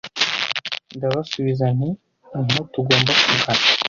Nabasubiza nti: Niho tugomba kugana